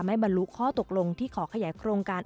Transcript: บรรลุข้อตกลงที่ขอขยายโครงการ